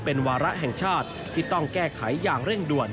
เป็นวาระแห่งชาติที่ต้องแก้ไขอย่างเร่งด่วน